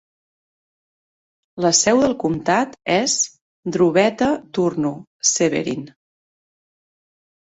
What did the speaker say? La seu del comtat és Drobeta-Turnu Severin.